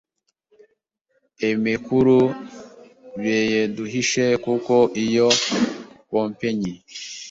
emekuru beyeduhishe kuko iyo kompenyi